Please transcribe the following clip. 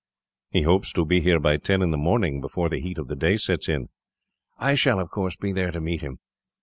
"He hopes to be here by ten in the morning, before the heat of the day sets in." "I shall, of course, be there to meet him."